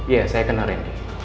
iya saya kenal randy